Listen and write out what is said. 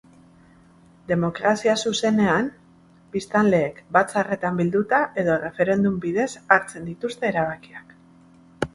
Demokrazia zuzenean, biztanleek batzarretan bilduta edo erreferendum bidez hartzen dituzte erabakiak.